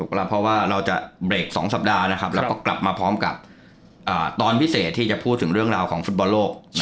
เพราะว่าเราจะเบรก๒สัปดาห์นะครับแล้วก็กลับมาพร้อมกับตอนพิเศษที่จะพูดถึงเรื่องราวของฟุตบอลโลก